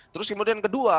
terus kemudian kedua